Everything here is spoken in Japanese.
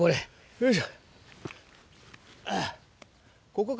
よいしょ！